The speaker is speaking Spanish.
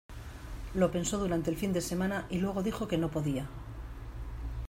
Lo pensó durante el fin de semana y luego dijo que no podía.